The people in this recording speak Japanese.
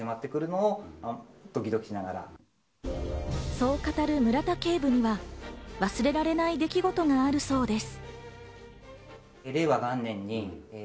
そう語る村田警部には、忘れられない出来事があるそうです。